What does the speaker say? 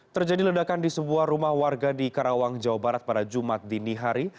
terjadi ledakan di sebuah rumah warga di karawang jawa barat pada jumat dini hari